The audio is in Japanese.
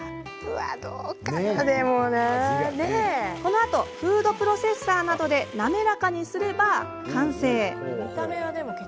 このあとフードプロセッサーなどで滑らかにすれば、完成！